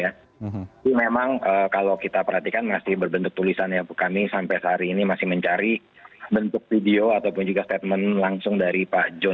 tapi memang kalau kita perhatikan masih berbentuk tulisannya kami sampai saat ini masih mencari bentuk video ataupun juga statement langsung dari pak joni